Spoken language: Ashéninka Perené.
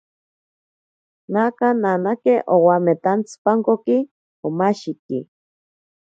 Naka nanake wametantsipankoki komashiki.